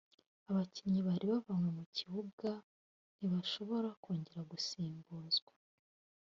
E) Abakinnyi bari bavanwe mu kibuga ntibashobora kongera gusimbuzwa